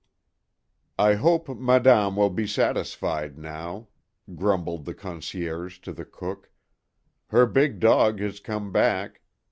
jf HOPE Madame will be satisfied now," J grumbled the concierge to the cook, " her big dog has come back.